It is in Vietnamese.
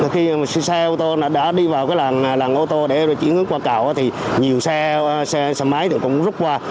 khi mà xe mô tô đã đi vào cái làng mô tô để chuyển hướng qua cầu thì nhiều xe máy cũng rút qua